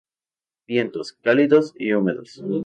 Vientos: cálidos y húmedos.